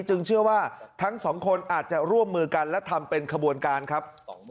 เชื่อว่าทั้งสองคนอาจจะร่วมมือกันและทำเป็นขบวนการครับ